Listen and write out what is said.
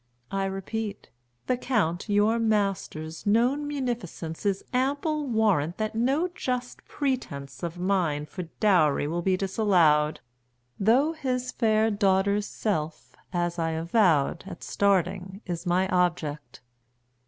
I repeat, The Count your master's known munificence Is ample warrant that no just pretense 50 Of mine for dowry will be disallowed; Though his fair daughter's self, as I avowed At starting, is my object.